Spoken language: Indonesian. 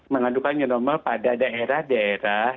mengadukan new normal pada daerah daerah